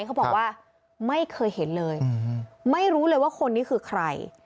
เขาบอกว่าไม่เคยเห็นเลยไม่รู้เลยว่าคนนี้คือใคร